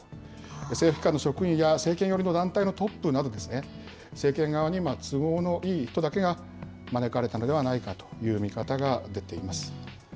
政府機関の職員や政権寄りの団体のトップなど、政権側に都合のいい人だけが招かれたのではないかという見方が出ています。